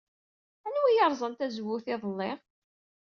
Anwa ay yerẓan tazewwut iḍelli?